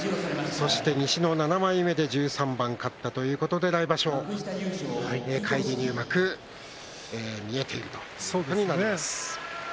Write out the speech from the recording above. そして西の７枚目で１３番勝ったということで来場所、返り入幕見えているということですね。